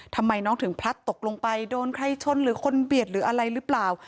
ทำไมน้องถึงพลัดตกลงไปโดนใครชนหรือคนเบียดหรืออะไรหรือเปล่า